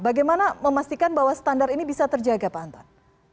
bagaimana memastikan bahwa standar ini bisa terjaga pak anton